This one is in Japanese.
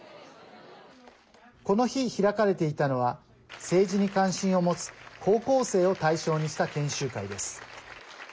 この日、開かれていたのは政治に関心を持つ高校生を対象にした研修会です。